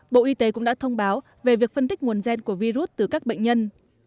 bộ y tế cũng đã thông báo về việc phân tích nguồn gen của virus từ các bệnh nhân